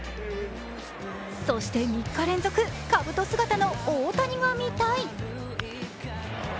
そして３日連続かぶと姿の大谷が見たい！